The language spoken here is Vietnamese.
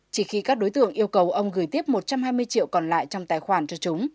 chỉ khi các đối tượng yêu cầu ông gửi tiếp một trăm hai mươi triệu còn lại trong tài khoản cho chúng